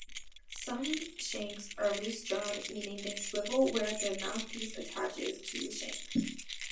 Some shanks are loose-jawed, meaning they swivel where the mouthpiece attaches to the shank.